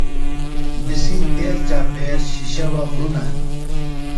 نِسی تیر چاپھیر شِشووہ غُرونہ ہنہ۔